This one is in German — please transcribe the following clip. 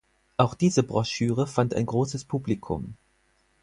Auch diese Broschüre fand ein großes Publikum.